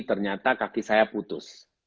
ternyata kaki saya putus